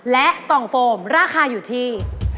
และต่องโฟมราคาอยู่ที่